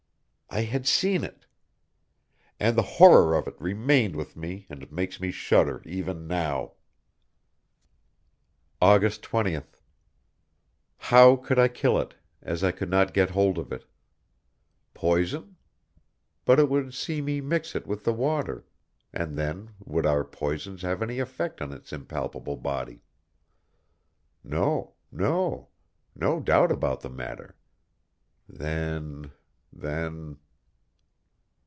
I had seen it! And the horror of it remained with me and makes me shudder even now. August 20th. How could I kill it, as I could not get hold of it? Poison? But it would see me mix it with the water; and then, would our poisons have any effect on its impalpable body? No ... no ... no doubt about the matter.... Then?... then?...